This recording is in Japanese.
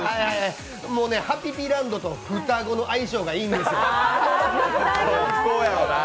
ハピピランドと双子の相性がいいんですよ。